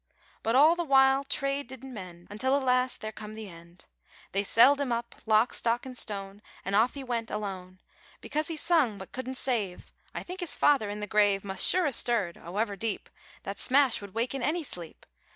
But all the while, trade didn't mend Until at last ther' come the end. They selled him up, lock stock an' stoan, An' off he went away, aloan; Because he sung but couldn't save. I think his feyther in the grave Must sure a stirred, 'owever deep: That smash would waken any sleep!